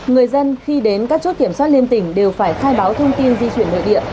người dân khi đến các chốt kiểm soát liên tỉnh đều phải khai báo thông tin di chuyển nội địa